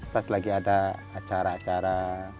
pas lagi ada acara acara